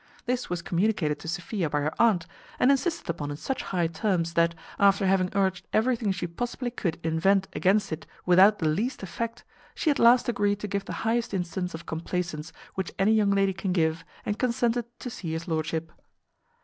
This was communicated to Sophia by her aunt, and insisted upon in such high terms, that, after having urged everything she possibly could invent against it without the least effect, she at last agreed to give the highest instance of complacence which any young lady can give, and consented to see his lordship.